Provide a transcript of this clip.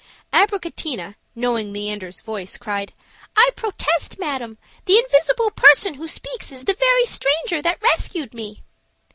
Abricotina, knowing Leander's voice, cried: "I protest, madam, the invisible person who speaks is the very stranger that rescued me."